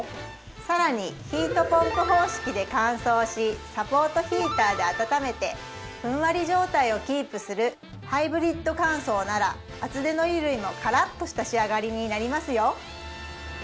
更にヒートポンプ方式で乾燥しサポートヒーターで温めてふんわり状態をキープするなら厚手の衣類もカラッとした仕上がりになりますよ